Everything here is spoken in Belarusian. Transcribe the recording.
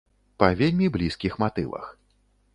Па вельмі блізкіх матывах.